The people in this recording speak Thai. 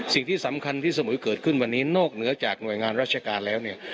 สิ่งที่สำคัญที่สมุยเกิดขึ้นวันนี้นอกเหนือจากหน่วยงานราชการแล้วเนี่ย